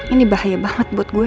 ini bahaya banget buat gue